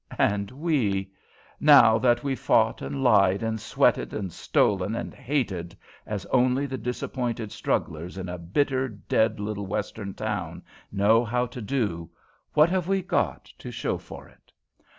"And we? Now that we've fought and lied and sweated and stolen, and hated as only the disappointed strugglers in a bitter, dead little Western town know how to do, what have we got to show for it?